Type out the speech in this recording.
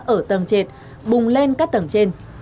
ở tầng trệt bùng lên các tầng trên